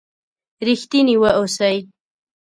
رښتيني و اوسئ!